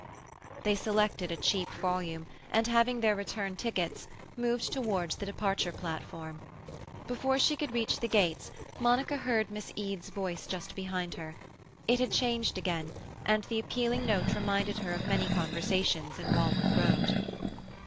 They selected a cheap volume, and, having their return tickets, moved towards the departure platform. Before she could reach the gates Monica heard Miss Eade's voice just behind her; it had changed again, and the appealing note reminded her of many conversations in Walworth Road.